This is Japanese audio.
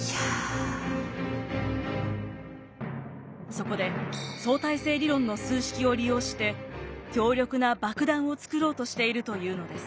そこで相対性理論の数式を利用して強力な爆弾を作ろうとしているというのです。